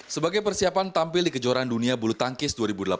sebagai persiapan tampil di kejuaraan dunia bulu tangkis dua ribu delapan belas